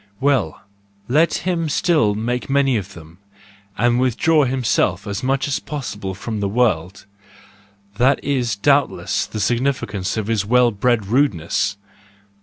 Well, let him still make many of them, and withdraw himself as much as possible from the world: and that is doubtless the signi¬ ficance of his well bred rudeness!